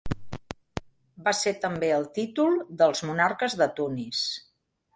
Va ser també el títol dels monarques de Tunis.